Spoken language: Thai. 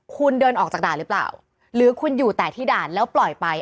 คุณเดินออกจากด่านหรือเปล่าหรือคุณอยู่แต่ที่ด่านแล้วปล่อยไป